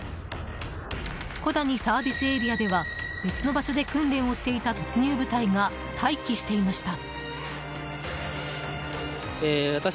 小谷ＳＡでは、別の場所で訓練をしていた突入部隊が待機していました。